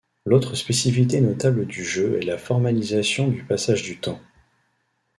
L'autre spécificité notable du jeu est la formalisation du passage du temps.